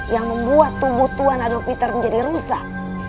yang membuat tubuh tuhan adokpiter menjadi rusak